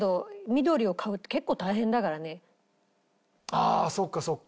ああそうかそうか。